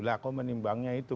lah kok menimbangnya itu